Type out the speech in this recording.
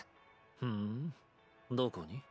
ふぅんどこに？